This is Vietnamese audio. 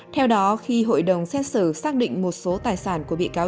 theo đó khi hội đồng xét xử xác định một số tài sản của bị cáo